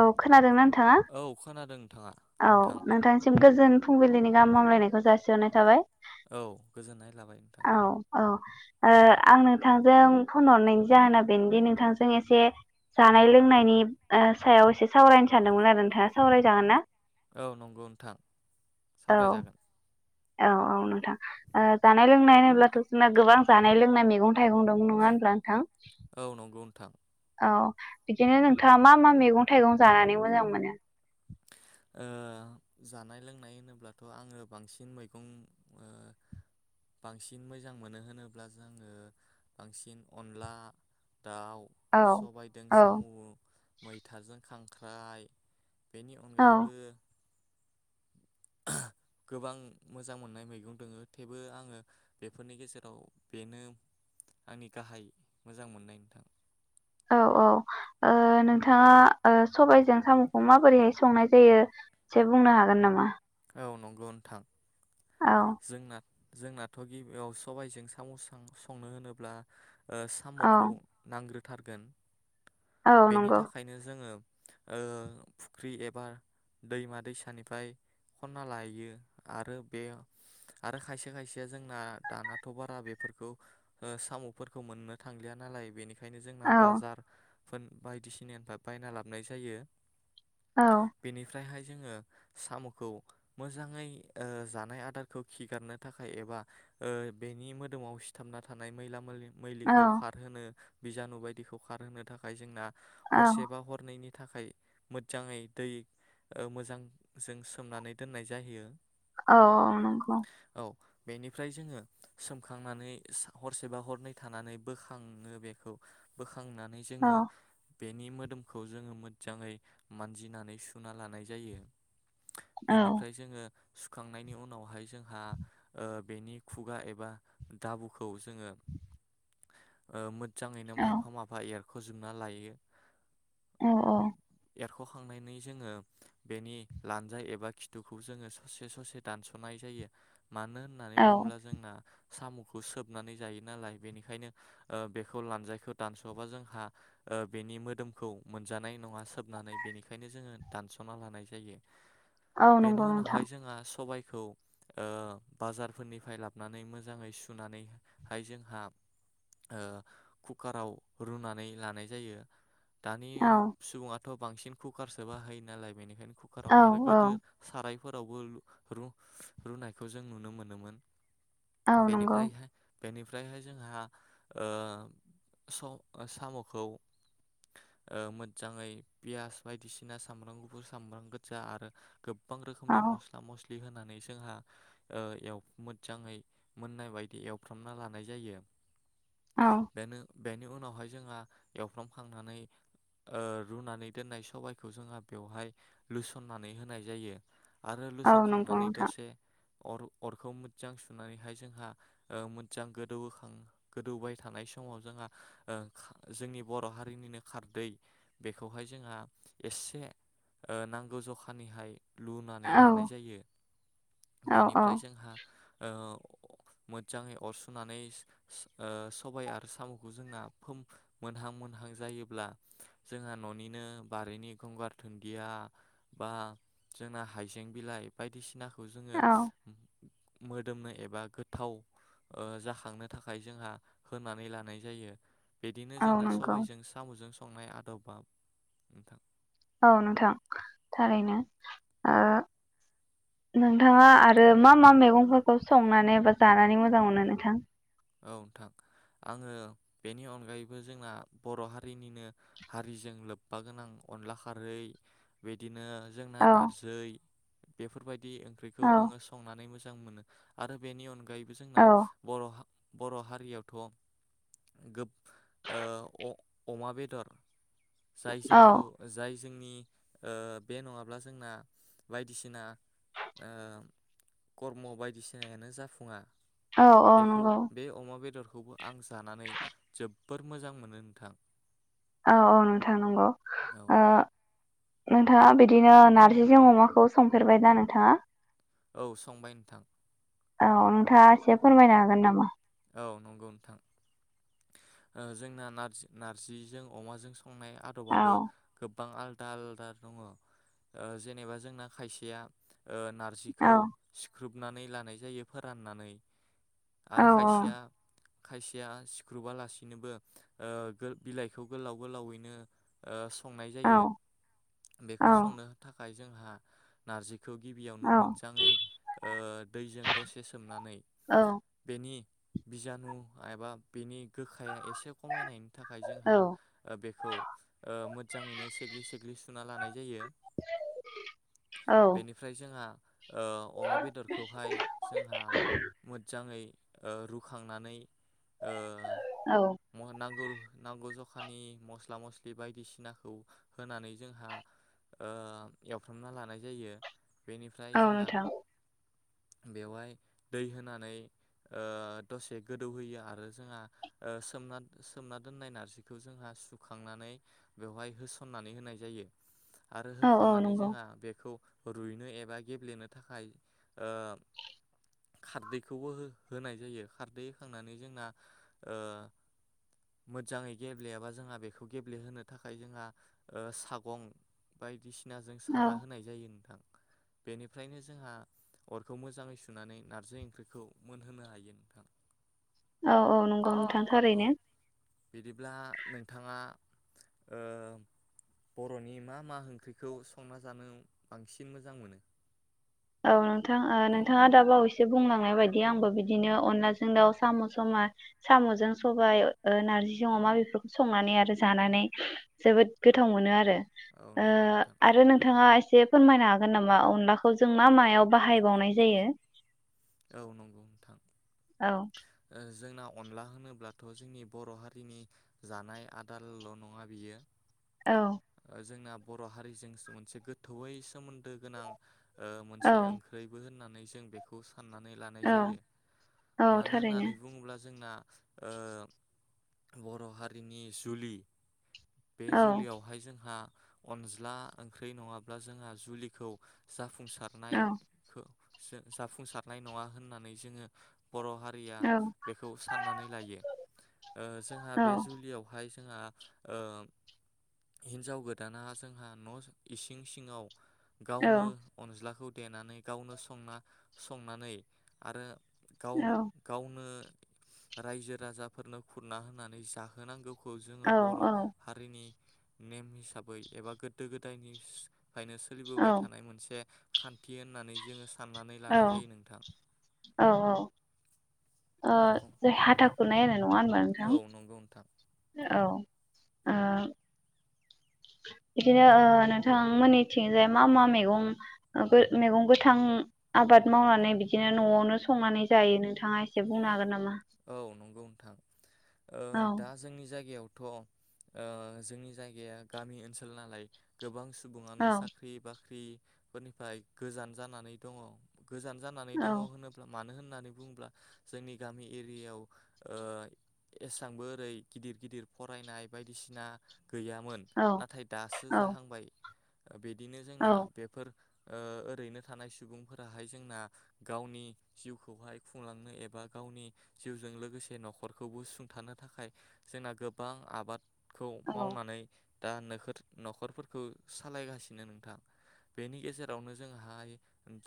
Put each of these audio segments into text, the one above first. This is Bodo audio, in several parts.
औ खोनादोंना नोंथाङा औ खोनादों नोंथाङा नोंथां औ नोंथांनिसिम गोजोन फुंबिलिनि गाहामलायनायखौ जासिहरनाय थाबाय औ गोजोननाय लाबाय नोंथां औ औ ओ, आं नोंथांजों फन हरनायनि जाहोना बेनोदि नोंथांजों एसे जानाय लोंनायनि सायाव एसे सावरायनो सानदोंमोन आरो नोंथाङा सावरायजागोन ना? औ नंगौ नोंथां औ सावरायजागोन औ औ नोंथां। जानाय लोंनाय होनोब्लाथ' जोंना गोबां जानाय लोंनाय मैगं थ थाइगं दं नङा होनब्ला नोंथां, औ नंगौ नोंथां औ बिदिनो नोंथाङा मा मा मैगं थाइगं जानानै मोजां मोनो? ओ, जानाय लोंनाय होनोब्लाथ' आङो बांसिन मैगं बांसिन मोजां मोनो होनोब्ला जोङो बांसिन अनला दाउ औ सबायदों औ साम' मैथाजों खां ख्राय बेनि औ अनगायैबो गोबां मोजां मोननाय मैगं दोङो थेवबो आङो बेफोरनि गेजेराव बेनो आंनि गाहाय मोजां मोननाय नोंथां। औ औ ओ नोंथाङा ओ सबायजों साम'खौ माबोरैहाय संनाय जायो एसे बुंनो हागोन नामा? औ नंगौ नोंथां। औ जोंना जोंनाथ' गिबियाव सबायजों साम' सं-संनो होनोब्ला ओ औ साम'खौ नांग्रो थारगोन औ बेनि नंगौ थाखायनो जोङो ओ फुख्रि एबा दैमा दैसानिफ्राय खन्ना लायो आरो बे आरो खायसे खायसेया जोंना दानाथ' बारा बेफोरखौ ओ साम'फोरखौ मोननो थांलिया नालाय बेनिखाय ओंखायनो जोंना औ बाजार [unintelligible] बायदिसिनानिफ्राय बायना लाबनाय जायो। औ बेनिफ्रायहाय जोङो साम' [unintelligible] मोजाङै ओ जानाय आदारखौ खिगारनो थाखाय एबा ओ बेनि मोदोमाव सिथाबना थानाय मैला मैलि औ औ मैलिखौ खारहोनो बिजानु बायदिखौ खारहोनो थाखाय जोंना हरसे औ बा हरनैनि थाखाय मोजाङै दै ओ मोजांजों [unintelligible] सोमनानै दोननाय जाहैयो। औ औ नंगौ। औ बेनिफ्राय जोङो सोमखांनानै सा हरसेबा हरनै थानानै बोखाङो बेखौ बोखां थांनानै औ जोङो बेनि मोदोमखौ जोङो मोजाङै मानजिनानै सुना लानाय जायो। औ बेनिफ्राय जोङो सुखांनायनि उनावहाय जोंहा ओ बेनि खुगा एबा दाबुखौ जोङो ओ [unintelligible] जाङैनो औ माफा माफा [unintelligible] फोजोबना लायो। औ अ। सरखांनायनि जोङो बेनि लानजाय एबा खिथुखौ जोङो स'से स'से दानस'नाय जायो। मानो होननानै औ बुङोब्ला जोंना साम'खौ सोबनानै जायो नालाय बेनिखायनो ओ बेखौ लानजायखौ दानस'वाबा जोंहा ओ बेनि मोदोमखौ मोनजानाय नङा सोबनानै बेनिखायनो जोङो दानस'ना लानाय जायो। औ बेनि नंगौ नोंथां उनावहाय जोंहा सबाय [unintelligible] ओ बाजारफोरनिफ्राय लाबनानै मोजाङै सुनानैहाय जोंहा ओ कुकाराव रुनानै लानाय जायो। दानि औ सुबुङा थ' बांसिन कुकारसो बाहायो नालाय बेनिखायनो औ कुकाराव आरो औ गोदो साराय फोरावबो लु रु-रुनायखो जों नुनो मोनोमोन। औ नंगौ बेनिफ्रायहाय बेनिफ्रायहाय जोंहा ओ स' ओ साम'खौ ओ मोजाङै पियास बायदिसिना सामब्राम गुफुर सामब्राम [unintelligible] जा आरो [unintelligible] बां औ रोखोमनि मस्ला मस्लि [unintelligible] होनानै जोंहा ओ एव मोजाङै मोननाय बायदि एवफ्रामना लानाय जायो। औ बेनो बेनि उनावहाय जोंहा एवफ्रामखांनानै ओ रुनानै दोननाय सबाइखौ जोंहा बेवहाय लुसननानै होनाय जायो आरो औ नंगौ लुसंखांनानै नोंथां दसे अर अरखौ मोजां सुनानैहाय जोंहा ओ मोजां गोदौहोखां गोदौबाय थानाय समाव जोंहा ओ जोंनि बर' हारिनिनो खारदै बेखौहाय जोंहा एसे ओ नांगौ जखानिहाय लुनानै औ लानाय जायो औ औ बेनिफ्राय जोंहा ओ मोजाङै अरसुनानै ओ सबाय आरो साम'खौ जोंना फोम मोनहां मोनहां जायोब्ला जोंहा न'निनो बारिनि गंगारथोन गैया बा जोंना हाइजें बिलाइ बायदिसिना खौ जोङो औ मोदोमनो एबा गोथाव ओ जाखांनो थाखाय जोंहा होनानै लानाय जायो बिदिनो औ जोंना नंगौ सबायजों साम'जों संनाय आदबाव नोंथां औ नोंथां थारैनो ओ नोंथाङा आरो मा मा मेगंफोरखौ संनानै बा जानानै मोजां मोनो नोंथां औ नोंथां आङो बेनि अनगायैबो जोंना बर' हारिनिनो हारिजों लोब्बा गोनां अनला खारै बिदिनो जोंना औ नारजै बेफोरबाय दि ओंख्रिखौ औ आङो संनानै मो जां मोनो आरो बेनि अनगायै बो जोंना औ बर' हा बर' हारियावथ' गोब ओ अ अमा बेदर जाय औ जोंखौ जाय जोंनि ओ बे नङाब्ला जोंना बायदिसिना ओ कर्म बायदिसिनायानो जाफुङा औ औ बेखौ नोंगौ बे अमा बेदरखौबो आं जानानै जोबोर मोजां मोनो नोंथां औ औ नोंथां नंगौ औ ओ नोंथाङा बिदिनो नार्जिजों अमाखौ संफेरबाय दा नोंथाङा औ संबाय नोंथां औ नोंथाङा एसे फोरमायनो हागोन नामा औ नंगौ नोंथां जों नारजि नारजिजों अमाजों संनाय औ आदबाबो गो गोबां आलदा आलदा दङ जेनेबा जोंना खायसेया नारजिखौ औ सिख्रोब गुरनानै लानाय जायो फोराननानै आरो औ औ खायसेया खायसेया सिख्रुबालासिनोबो ओ बिलाइखौ गोलाव गोलावैनो संनाय औ जायो बेखौ औ संनो थाखाय जोंहा नारजि खौ गिबियावनो मोजाङै ओ दैजों दसे सोमनानै औ बेनि बिजानु एबा बिनि गोखा आखाया एसे खमायनायनि थाखाय जोंहा औ बेखौ मोजाङैनो सेग्लि सेग्लि सुना लानाय जायो औ बेनिफ्राय जोंहा। अमा बेदरखौहाय जोंहा मोजाङै ओ रुखांनानै ओ औ [unintelligible] नांगौ नांगौ जखानि मस्ला मस्लि बायदिसिनाखौ होनानै जोंहा एवफ्रामना लानाय जायो। बेनिफ्राय औ जोंहा नोंथां बेवहाय दै होनानै ओ दसे गोदौहोयो आरो जोंहा सोमना सोमना दोननाय नारजिखौ जोंहा सुखांनानै बेवहाय होसननानै होनाय जायो। आरो औ औ होखांनानै नंगौ जोंहा बेखौ रुइनो एबा गेब्लेनो थाखाय खारदैखौबो हो होनाय जायो खारदै होखांनानै जोंना मोजाङै गेब्लेयाबा जोंहा बेखौ गेब्लेहोनो थाखाय जोंहा सागं बायदिसिना सिनाजों औ साना होनाय जायो नोंथां। बेनिफ्रायनो जोंहा अरखौ मोजाङै सुनानै नारजि ओंख्रिखौ मोनहोनो हायो नोंथां। औ औ औ नोंथां नंगौ औ थारैनो बिदिब्ला नोंथाङा बर'नि मा मा ओंख्रिखौ संना जानो बांसिन मोजां मोनो? औ नोंथां औ नोंथाङा दाबावैसो एसे बुंलांनाय बायदि आंबो बिदिनो अनलाजों दाउ साम' साम'जों सबाय नार्जिजों अमा बेफोरखौ संनानै आरो जानानै जोबोद गोथाव मोनो आरो। औ ओ नंगौ नोंथां आरो नोंथाङा एसे जे फोरमायनो हागोन नामा अनलाखौ? जों मा मायाव बाहायबावनाय जायो। औ नंगौ नोंथां। औ ओ जोंना अनला होनोब्लाथ' जोंनि बर' हारिनि जानाय आदारल' नङा बियो औ जोंना बर' हारिजों मोनसे गोथौयै सोमोन्दो गोनां। ओ मोनसे औ ओंख्रैबो होननानै जों बेखौ साननानै लानाय औ जायो औ मानो थारैनो होननानै बुङोब्ला जोंना। ओ बर' हारिनि जुलि बे औ जुलियावहाय जोंहा अनज्ला ओंख्रि नङाब्ला जोंहा जुलिखौ जाफुं सारनाय औ खौ सो जाफुंसार नाय नङा होननानै जोङो बर' हारिया औ बेखौ साननानै लायो ओ जोंहा औ बे जुलियावहाय आ ओ हिन्जाव गोदाना जोंहा न' इसिं सिङाव औ गावनो अनज्लाखौ देनानै गावनो संना संनानै आरो गाव गावनो रायजो राजाफोरनो खुरना होनानै जाहोनांगौ खौ जोङो औ बर' हारिनि नेम हिसाबै एबा गोदो गोदायनि फ्रायनो सोलिबोबाय थानाय मोनसे खान्थि होननानै जोङो सा साननानै लानाय औ औ ओ जाय हाथा खुरनाय आरो नङा होनबा नोंथां औ नंगौ नोंथां औ। ओ बिदिनो ओ नोंथां मोननि थिंजाय मा मा मेगं मेगं गोथां आबाद मावनानै बिदिनो न'आवनो संनानै जायो नोंथाङा एसे बुंनो हागोन नामा? औ नंगौ नोंथां। ओ औ दा जोंनि जायगायाव थ' ओ जोंनि जायगाया गामि ओनसोल नालाय गोबां औ सुबुङानो साख्रि बाख ख्रि फोरनिफ्राय गोजान जानानै दङ। गोजान जानानै औ दङ होनोब्ला मानो होन होननानै बुङोब्ला जोंनि गामि एरियायाव ओ एसांबो ओरै गिदिर गिदिर फरायनाय बायदिसिना गैयामोन औ नाथाय दासो जाहांबाय। बिदिनो जोंना औ बेफोर ओ ओरैनो थानाय सुबुंफोरा हाय जोंना गावनि जिउखौ हाय खुंलांनो एबा गावनि जिउजों लोगोसे न'खरखौबो सुुंथानो थाखाय जोंना गोबां आबाद खौ औ मावनानै दा नोखर न'खरफोरखौ सालायगासिनो नोंथां बेनि गेजेरावनो जोंहाय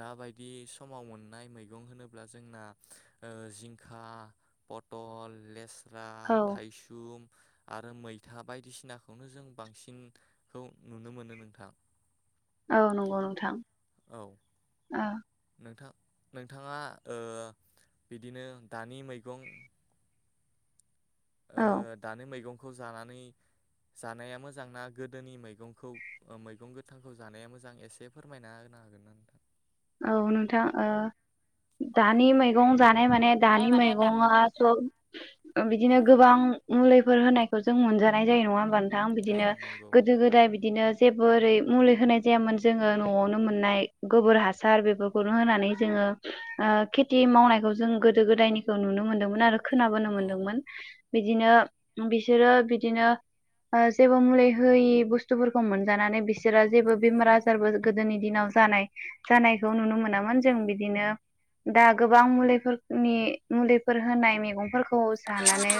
दाबायदि समाव मोननाय मैगं होनोब्ला जोंना ओ जिं खा पटल लेस औ [unintelligible] थाइसुम आरो मैथा बायदिसिनाखौनो जों बांसिनखौ नुनो मोनो नोंथां औ नंगौ नोंथां औ अ नोंथां नोंथाङा ओ बिदिनो दानि मैगं ओ दानि मैगं खौ जानानै जानाया मोजां ना गोदोनि मैंखौ ओ मैगं गोथांखौ जानाया मोजां एसे फोरमायना होनो हागोन ना नोंथां? औ नोंथां ओ दानि मैगं जा नाय माने नाय दानि माने दा मैगङा सब ओ बिदिनो गोबां मुलिफोर होनायखौ जों मोनजानाय जायो नङा होमबानो नों थां औ बिदिनो नंगौ गोदो गोदाय बिदिनो जेबो ओरै मुलि होनाय जायामोन जोङो न'आवनो मोननाय गोबोर हासार सार बेफोरखौनो होनानै जोङो ओ खेथि मावनायखौ जों गोदो गोदायनिखौ नुनो मोन्दोंमोन आरो खोनाबोनो औ मोनदोंमोन बिदिनो बिसोरो बिदिनो ओ जेबो मुलि होयि बुस्थुफोरखौ मोनजानानै बिसोरो जेबो बेमार आजारबो गोदोनि दिनाव जानाय जानायखौ नुनो मोनामोन जों बिदिनो दा गोबां मुलिफोरनि मुलिफोर होनाय मैगंफोरखौ जानानै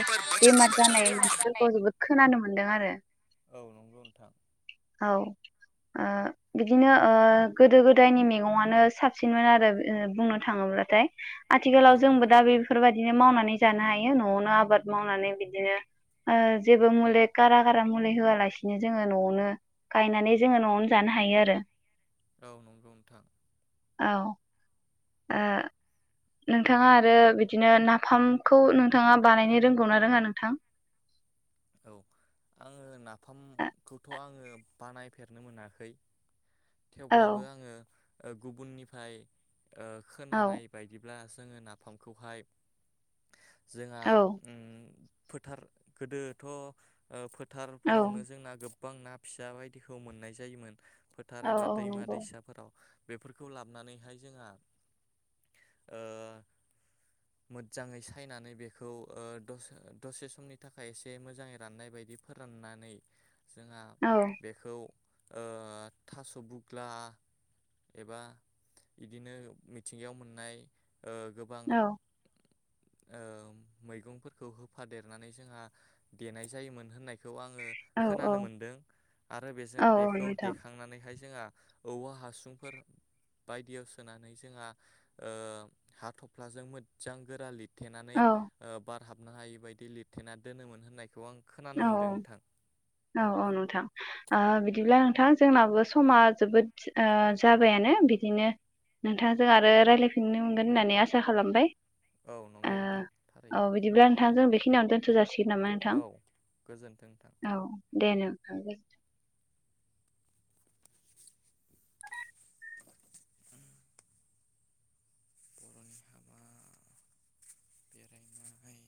बेमार जानाय बेमार जानाय मानसिफोरखौ जोबोद खोनानो मो मोनदों आरो औ नंगौ नोंथां [inaudible] औ आ बिदिनो ओ गोदो गोदायनि मेग [unintelligible] साबसिनमोन आरो बुंनो थाङोब्लाथाय आथिखालाव औ जोंबो दा बे बेफोरबायदिनो मावनानै जानो हायो न'आवनो आबाद मावनानै बिदिनो जेबो मुलि कारा कारा मुलि होआलासिनो जोङो न'आवनो गायनानै जोङो न'आवनो जानो हायो आरो औ नंगौ नोंथां औ ओ नोंथाङा आरो बिदिनो नाफामखौ नोंथाङा बानायनो रोंगौनाा रोङा नोंथां? औ आङो ना औ ओंमखौथ' आङो बानायफेरनो मोनाखै थेवब्लाबो आङो ओ गुबुननिफ्राय ओ औ खोनानाय बायदिब्ला जोङो नाफामखौहाय जोंहा औ उम फोथार गोदो थ' ओ फो औ थारफोरावनो जोंना गो बां ना फिसा बायदिखौ मोननाय जायोमोन। फोथार औ एबा औ दैमा नंगौ दैसाफोराव बेफोरखौ लाबोनानैहाय जोंहा ओ मोजजाङै सायनानै बेखौ ओ दसे दसे समनि थाखाय एसे जे मोजाङै राननाय बायदि फोराननानै जोंहा औ बेखौ ओ थास' बुग्ला एबा बिदिनो मिथिंगायाव मोननाय ओ गोबां ओ मैगंफोरखौ होफादेरनानै जोंहा देनाय जायोमोन होननाय खौ आङो औ खोनानो औ मोनदों आरो बेजों औ बेखौे नोंथां देखांनानैहाय जोंहा औवा हासुंफोर बायदियाव सोनानै जोंहा ओ हाथ'फ्लाजों मोजां गोरा लिर थेनानै औ ओ बाद हाबनो हायि बायदि लिरथेना दोनोमोन होननाय औ औ औ औ नोंथां ओ बिदिब्ला नोंथां जोंनाबो समा जोबोद ओ जाबायानो बिदिनो नोंथांजों आरो रायज्लायफिननो मोनगोन होननानै आसा खालामबाय। औ ओ नंगौ नोंथां औ थारैनो बिदिब्ला नोंथां जों बेखिनि खिनि आवनो दोनथ' जासिगोन औ [unintelligible] गोजोन्थों नोंथां। औ दे नोंथां गोजोनथों। बर'नि हाबा बेलायावहाय